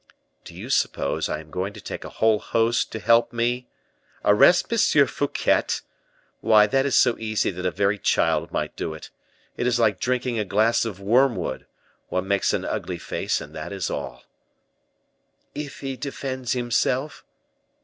"Do you suppose I am going to take a whole host to help me? Arrest M. Fouquet! why, that is so easy that a very child might do it! It is like drinking a glass of wormwood; one makes an ugly face, and that is all." "If he defends himself?"